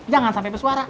jangan sampe besuara